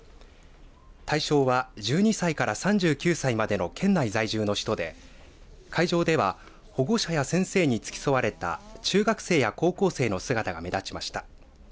対象は１２歳から３９歳までの県内在住の人で会場では保護者や先生に付き添われた中学生や高校生の姿が目立ちました。